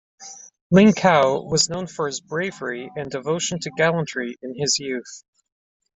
Ling Cao was known for his bravery and devotion to gallantry in his youth.